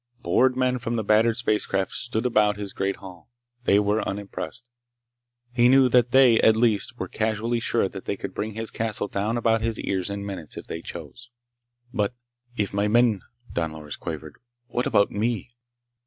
Bored men from the battered spacecraft stood about his great hall. They were unimpressed. He knew that they, at least, were casually sure that they could bring his castle down about his ears in minutes if they chose. "But ... if my men—" Don Loris quavered. "What about me?"